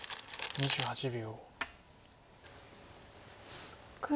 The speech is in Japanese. ２８秒。